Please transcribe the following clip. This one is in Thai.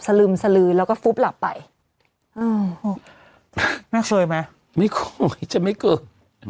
สลืมสลืมแล้วก็ฟุ๊บหลับไปเออไม่เคยมั้ยไม่ค่อยจะไม่เกิด